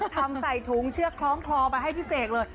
ทำใส่ถุงที่นั้นของคอมาให้พี่เสกเลย